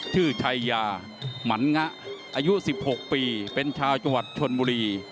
ชื่อชัยยาหมันงะอายุ๑๖ปีเป็นชาวจังหวัดชนบุรี